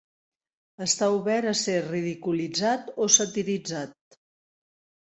Està obert a ser ridiculitzat o satiritzat.